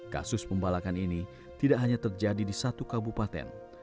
kasus pembalakan ini tidak hanya terjadi di satu kabupaten